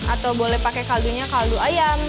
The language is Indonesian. atau boleh pakai kaldunya kaldu ayam